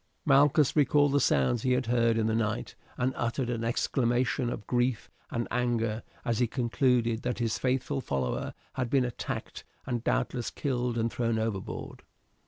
Malchus recalled the sounds he had heard in the night, and uttered an exclamation of grief and anger as he concluded that his faithful follower had been attacked and doubtless killed and thrown overboard.